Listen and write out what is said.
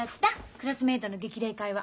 クラスメートの激励会は。